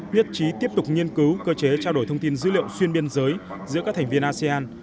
nhất trí tiếp tục nghiên cứu cơ chế trao đổi thông tin dữ liệu xuyên biên giới giữa các thành viên asean